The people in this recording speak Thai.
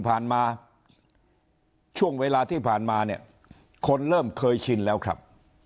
ที่ผ่านมาช่วงเวลาที่ผ่านมาเนี่ยคนเริ่มเคยชินแล้วครับ